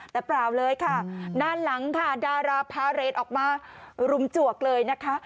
แต่เปล่าเลยค่ะด้านหลังค่ะดาราพาเรทออกมารุมจวกเลยนะคะ